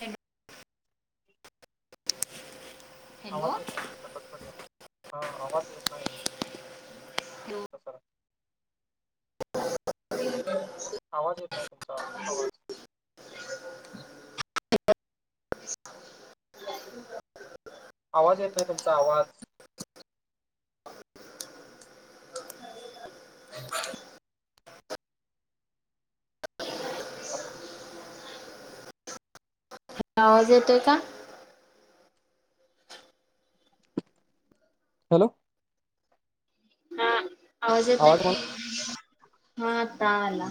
हं हं हं आवांज येतं नाहीं ये तेम सरं कटंकटं हं आवांज येतं नाहीं हॅलो येतंय सरं [unintelligible] आवांज येतं नाहीं तुमचां आवांज आवांज येतं नाहीं तुमचां आवांज हॅलो आवांज येतोय कां हॅलो आवांज येतोय आवाज मला हां आंता आंला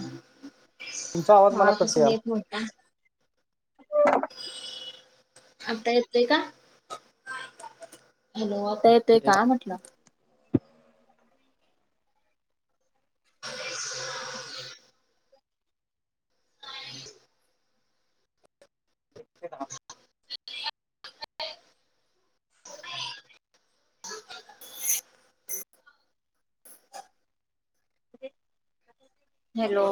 तुमचा आवाज मला कटयाल मोठा. आता येतय का,, हॅलो! आता येतय यायलाय. का म्हटलं. नि्न तेे हॅलो!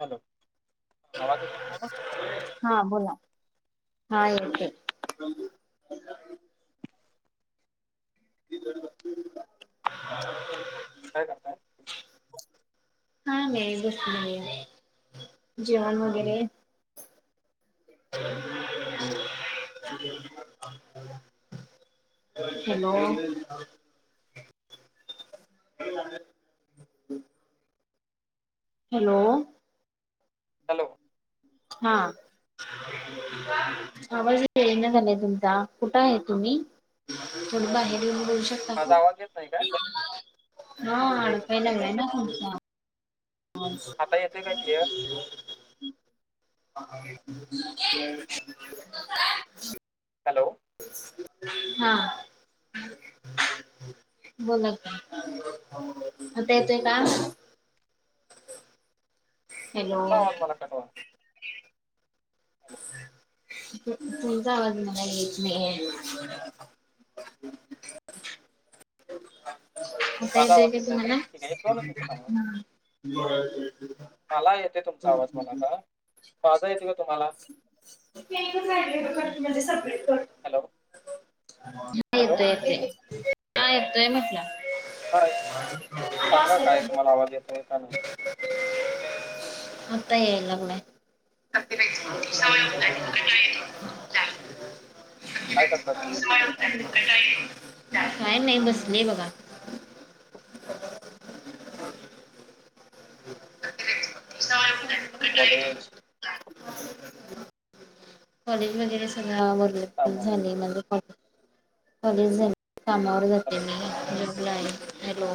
हॅलो, आवाज येतय तुम्हाला? हा बोला,, हा येतय. काय करता? काय नाही बसलेले, जेवण वगैरे हॅलो! हॅलो! हॅलो! हा! आवाज इथं एन झालाय तुमचा,, कुठं हाय तुम्ही? थोडं बाहेर येऊन बोलू शकता? माझा आवाज येत नाही काय? हां एकच आडकाय मिनिट लागलाय ना एकच मिनिट तुमचा. हाच आता येतोय काय क्लिअर ह! [unintelligible] हॅलो! हा! बोला, आता येतोय का त्यांचा हॅलो आवाज मला कट वाला तुमचा आवाज मला येत नाहीये. [inaudible] आता येतोय काय येत नाही ठीक आहे एक दोनच मिनिटं थांबा तुम्हानां? मला येते तुमचा आवाज मला आता,, माझा येतोय काय तुम्हाला? ते रा कटमध्ये सबरट कर. [unintelligible] हॅलो! हा हॅलो येतय येतेय,, हां येतोय म्हटलं. नाही,, आणि सांगा काय तुम्हाला आवाज येतोय तर. आत्ता याय लागलाय सवय हो येत य. काय करता तुम्ही [unintelligible] काय नाही बसलीय बघा. [unintelligible] कॉलेज? कॉलेज वगैरे सगळं आवरलं,, कामं झालय माझं कॉलेज. कॉलेज झालं, कामावर जातोय हॅलो मी. तुमचा हॅलो!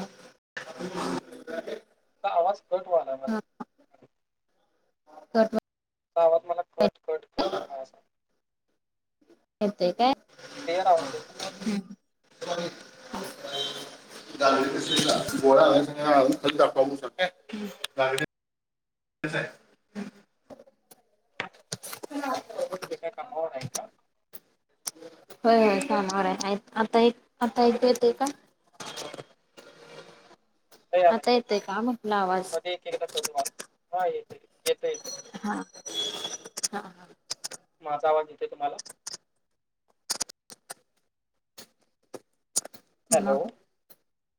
तुमचा आवाज कट व्हाय लागलाय. हा कट. तुमचा आवाज मला कट कट खट असा येतय काय? क्लिअर आवाज एना तुमचा. स्! [unintelligible] [inaudible] गागडी गोळा दाखवू शकता गागडी. [unintelligible] तुम्ही कमावणार आहे का? हो होय सनावर आता एक आता ऐकू येतय का? ला आता येतोय का म्हटलं आवाज मध्ये दाेव तुम्हाला हा येते येत येते. हा हा ह माझा आवाज येत तुम्हाला? म हॅलो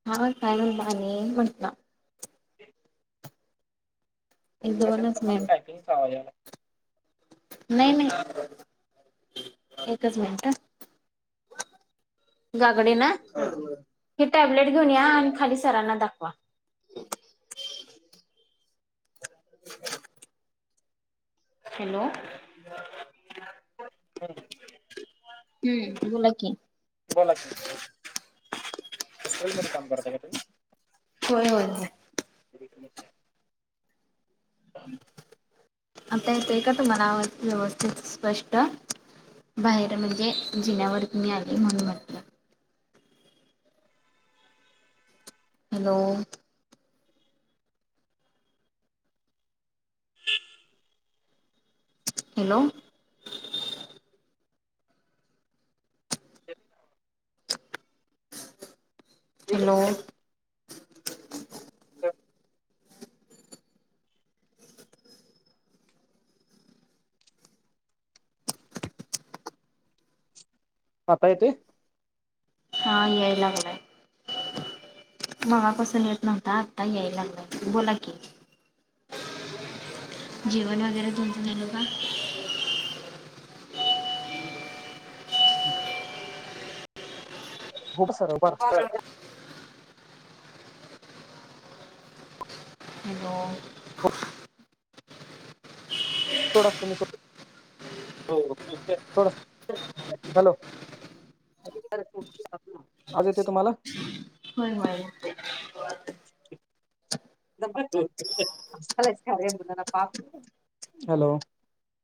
काय म्हणता आणि न म्हटलं? ह. एक तर कशाच तर दोनच मला मिनिट टायपींगचा आवाज याला य. नाही नाही एकच मिनट ह. गागडे ना हे टॅबलेट घेऊन या आणि खाली सरांना दाखवा? [inaudible] हॅलो! हम्म हम्म बोला की. बोला की. हॉस्पिलमध्ये काम करता काय तुम्ही. होय होय. ब आहे. आवाज नाही येत. आता येतोय का तुम्हाला व्यवस्थित स्पष्ट. बाहेर म्हणजे जिण्यावरती मी आली म्हणून म्हटल. हॅलो! हॅलो! एकच हॅलो! मिनिट आता येतोय? हा याय लागलाय. मगा पासून येत नव्हता आत्ता यायला लागला य बोला की. जेवण वगैरे तुमचं झाल का? हो सर बर हॅलो! सोडा तुम्ही सोडा सोडा हॅलो! आवाज येतोय तुम्हाला? होय होय. हॅलो!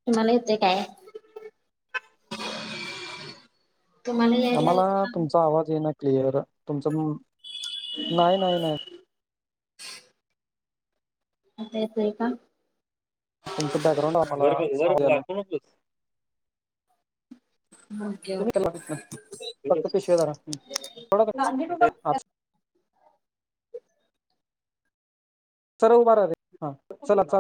तुम्हाला येतय काय? तुम्हाला यायला आम्हाला तुमचा आवाज ये ना क्लिअर तुमच नाही नाही नाही. आता यतोय का? तुमचं बॅकग्राउंड आम्हाला? ह तुम्ही त्याला भेटणार फक्त पिशवेधरा थोडा. सरळ उभारा रे ह चला च.